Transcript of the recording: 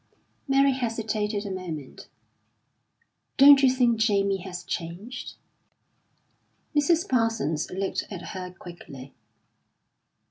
Mary hesitated a moment. "Don't you think Jamie has changed?" Mrs. Parsons looked at her quickly.